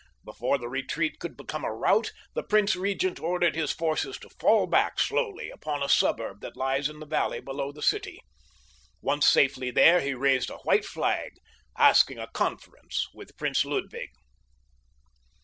Before the retreat could become a rout the prince regent ordered his forces to fall back slowly upon a suburb that lies in the valley below the city. Once safely there he raised a white flag, asking a conference with Prince Ludwig.